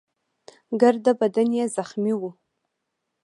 ګرده بدن يې زخمي وو.